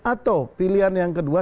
atau pilihan yang kedua